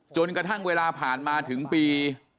จนกระทั่งเวลาผ่านมาถึงปี